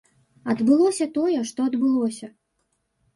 Адбылося тое, што адбылося.